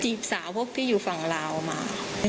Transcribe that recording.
จีบสาวพวกที่อยู่ฝั่งลาวมาฝั่งลาวมา